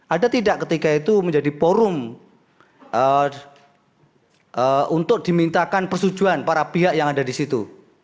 ada tidak ketika itu menjadi forum untuk dimintakan persetujuan para pihak yang ada di situ